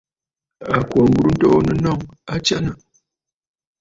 À kwǒ mburə ntoonə nnɔŋ, a tsyânə̀!